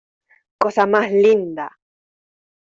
¡ cosa más linda!